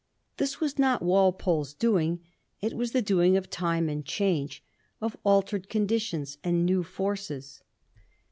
This was not Walpole's doing ; it was the doing of time and change, of altered conditions and new forces.